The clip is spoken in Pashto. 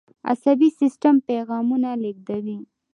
عصبي سیستم پیغامونه لیږدوي